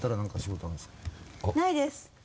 ないです。